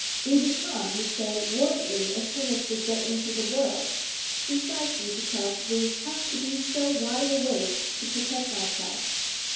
We become, you say, worldly as soon as we get into the world. Precisely because we have to be so wide awake to protect ourselves.